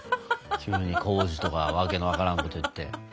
急に康史とか訳の分からんことを言って。